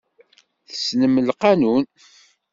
Tessnem laqanun.